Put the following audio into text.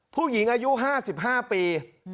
ผู้หญิงอายุ๕๕ปี